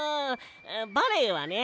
バレエはね